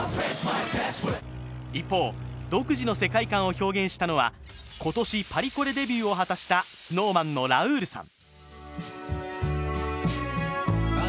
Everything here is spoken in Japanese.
一方、独自の世界観を表現したのは今年パリコレデビューを果たしたＳｎｏｗＭａｎのラウールさん。